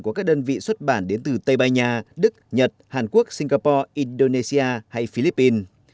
của các đơn vị xuất bản đến từ tây ban nha đức nhật hàn quốc singapore indonesia hay philippines